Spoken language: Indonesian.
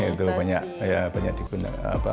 itu banyak ya banyak dikenal